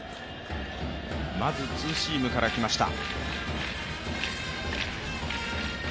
まずツーシームからきました。